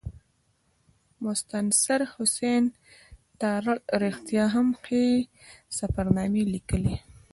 مستنصر حسین تارړ رښتیا هم ښې سفرنامې لیکلي.